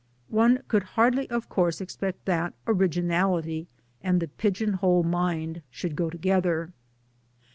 One could hardly of course expect that originality and the pigeon hole mind should go together.